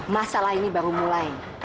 masalah ini baru mulai